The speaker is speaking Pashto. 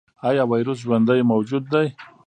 ایا ویروس ژوندی موجود دی؟